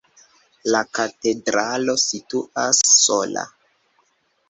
La katedralo situas sola.